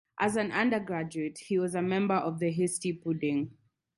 As an undergraduate, he was a member of the Hasty Pudding.